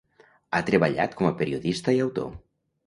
Ha treballat com a periodista i autor.